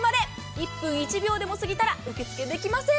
１分１秒でも過ぎたら受け付けできません。